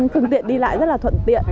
thương tiện đi lại rất là thuận tiện